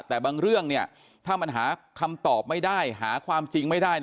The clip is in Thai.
แต่บางเรื่องถ้ามันหาคำตอบไม่ได้หาความจริงไม่ได้